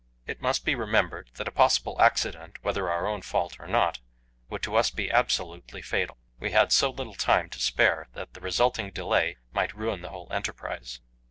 It must be remembered that a possible accident whether our own fault or not would to us be absolutely fatal. We had so little time to spare that the resulting delay might ruin the whole enterprise.